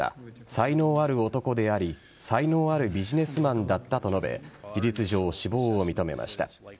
才能ある男であり才能あるビジネスマンだったと述べ事実上、死亡を認めました。